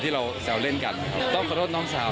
เหมือนแบบพี่ชายผิดนัก